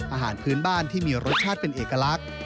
อาหารพื้นบ้านที่มีรสชาติเป็นเอกลักษณ์